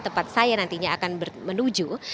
tempat saya nantinya akan menuju